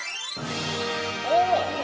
おっ。